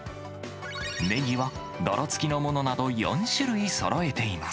ねぎは泥付きのものなど４種類そろえています。